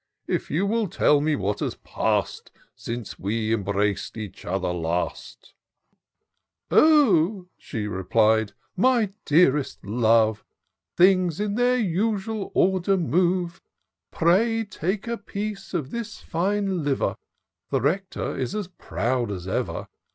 If you will tell me what has pass'd Since we embrac'd each other last/' Oh," she replied, " my dearest love, Things in their usual order move. Pray take a piece of this fine liver: The Rector is as proud as ever.